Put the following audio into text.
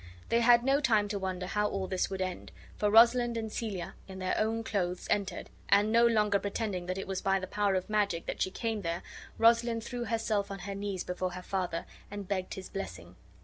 They had no time to wonder how all this would end, for Rosalind and Celia, in their own clothes, entered, and, no longer pretending that it was by the power of magic that she came there, Rosalind threw herself on her knees before her father and begged his blessing.